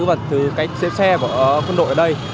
và cách xếp xe của quân đội ở đây